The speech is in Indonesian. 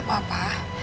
tapi buat apa papa